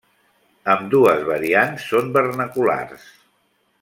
Ambdues variants són vernaculars.